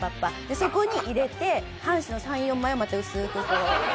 そこに入れて半紙の３４枚をまた薄くこうならして。